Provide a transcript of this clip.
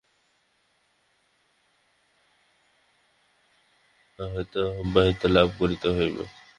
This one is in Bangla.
যাবতীয় দুঃখযন্ত্রণা তমোগুণপ্রসূত, সুতরাং উহা হইতে অব্যাহতি লাভ করিতে হইবে।